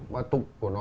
và tục của nó